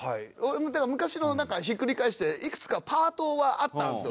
だから昔のなんかひっくり返していくつかパートはあったんですよ。